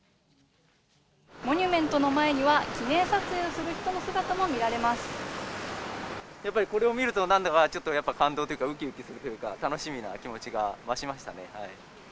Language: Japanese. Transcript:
モニュメントの前には記念撮やっぱりこれを見ると、なんだかちょっとやっぱり感動というか、うきうきするというか、楽しみな気持ちが増しましたね。